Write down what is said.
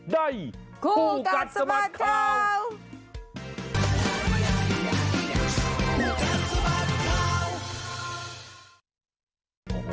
ได้คู่กันสะบัดข้าว